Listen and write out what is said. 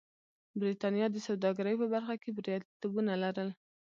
برېټانیا د سوداګرۍ په برخه کې بریالیتوبونه لرل.